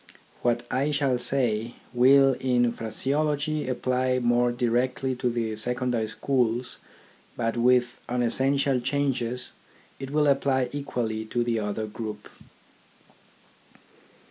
What I shall say, will in phraseology apply more directly to the secondary schools, but with unessential changes it will apply equally to the other group.